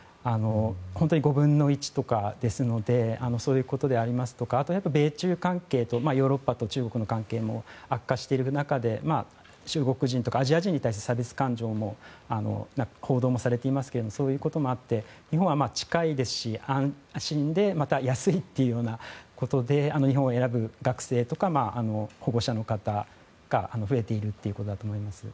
本当に５分の１とかですのでそういうことでありますとかあとは、やっぱり米中関係ヨーロッパと中国の関係も悪化している中で中国人とかアジア人に対する差別感情も報道されていますけどそういうこともあって日本は近いですし安心で、また安いということで日本を選ぶ学生とか保護者の方が増えているということだと思います。